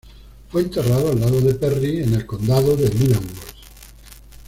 Fue enterrado al lado de Perry en el condado de Leavenworth.